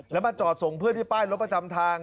แล้วมาจอดส่งเพื่อนที่ป้ายรถประจำทาง